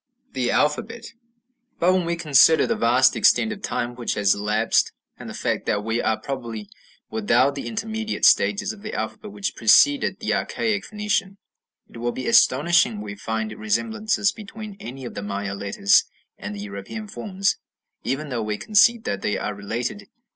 ### The Alphabet But when we consider the vast extent of time which has elapsed, and the fact that we are probably without the intermediate stages of the alphabet which preceded the archaic Phoenician, it will be astonishing if we find resemblances between any of the Maya letters and the European forms, even though we concede that they are related.